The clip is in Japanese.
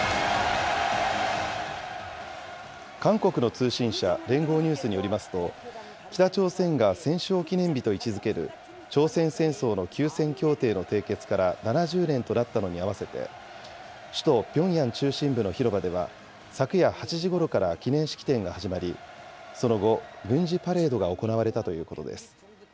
韓国の通信社、連合ニュースによりますと、北朝鮮が戦勝記念日と位置づける、朝鮮戦争の休戦協定の締結から７０年となったのに合わせて、首都ピョンヤン中心部の広場では、昨夜８時ごろから記念式典が始まり、その後、軍事パレードが行われたということです。